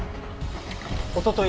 おととい